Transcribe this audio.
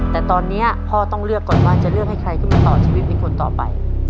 แต่ตอนนี้พ่อต้องเลือกก่อนว่าจะเลือกให้ใครขึ้นมาต่อชีวิตเป็นคนต่อไป